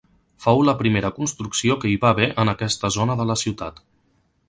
Fou la primera construcció que hi va haver en aquesta zona de la ciutat.